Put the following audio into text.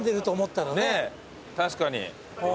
確かに。